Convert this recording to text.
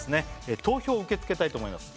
投票を受け付けたいと思います